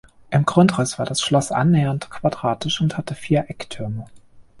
Im Grundriss war das Schloss annähernd quadratisch und hatte vier Ecktürme.